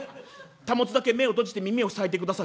「たもつだけ目を閉じて耳を塞いでください」。